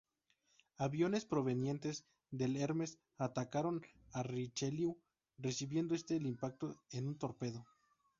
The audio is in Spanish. Aviones provenientes del "Hermes" atacaron al "Richelieu", recibiendo este el impacto de un torpedo.